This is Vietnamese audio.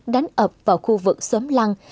đánh ập vào khu vực xóm lăng